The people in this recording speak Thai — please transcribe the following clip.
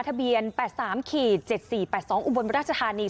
ทะเบียน๘๓๗๔๘๒อุบลราชธานี